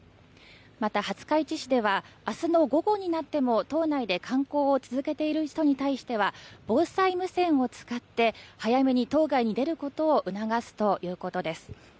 また、廿日市市では明日の午後になっても島内で観光を続けている人に対しては防災無線を使って早めに島外に出ることを促すということです。